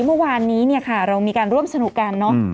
เมื่อวานนี้เนี่ยค่ะเรามีการร่วมสนุกกันเนอะ